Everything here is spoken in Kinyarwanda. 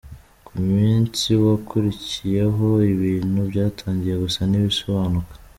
Ku munsi wakurikiyeho, ibintu byatangiye gusa n’ibisobanuka.